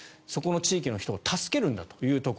そこの地域の人を助けるんだという。